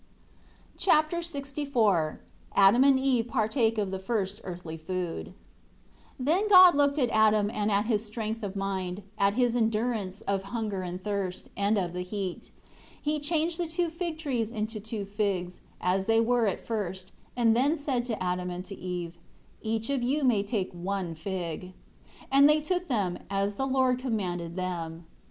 Chapter LXIV Adam and Eve partake of the first earthly food. 1 Then God looked at Adam and at his strength of mind, at his endurance of hunger and thirst, and of the heat. And He changed the two fig trees into two figs, as they were at first, and then said to Adam and to Eve, "Each of you may take one fig." And they took them, as the Lord commanded them.